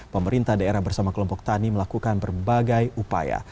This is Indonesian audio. pemerintah daerah bersama kelompok tani melakukan berbagai upaya